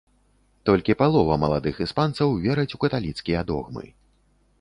Толькі палова маладых іспанцаў вераць у каталіцкія догмы.